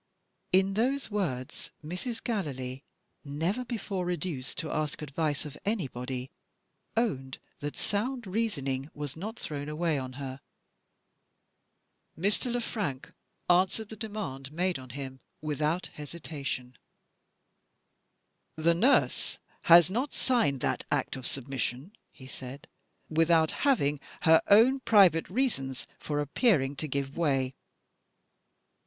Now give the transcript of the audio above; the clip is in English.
In those words Mrs. Gallilee never before reduced to ask advice of anybody owned that sound reasoning was not thrown away on her. Mr. Le Frank answered the demand made on him without hesitation. "The nurse has not signed that act of submission," he said, "without having her own private reasons for appearing to give way.